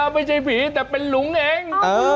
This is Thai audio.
ไม่ใช่ผีแต่เป็นหลุมเอง